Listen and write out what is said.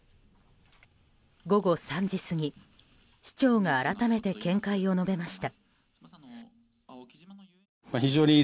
午後３時過ぎ、市長が改めて見解を述べました。